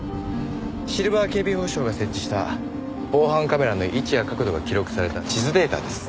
シルバー警備保障が設置した防犯カメラの位置や角度が記録された地図データです。